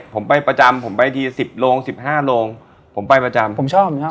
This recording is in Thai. ผมไปประจำผมไปทีสิบโรงสิบห้าโรงผมไปประจำผมชอบนะครับ